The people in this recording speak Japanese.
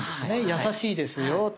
優しいですよと。